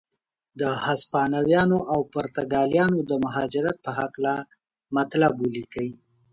د هسپانویانو او پرتګالیانو د مهاجرت په هکله مطلب ولیکئ.